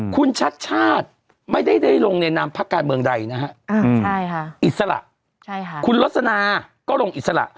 คุณชัดชาติไม่ได้ได้ลงในนามพักการเมืองใดนะฮะอิสระคุณลสนาก็ลงอิสระ